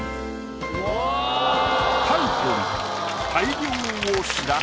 タイトル。